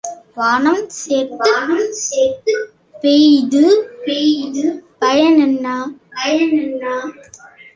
வானம் சேர்த்துப் பெய்து பயன் என்ன?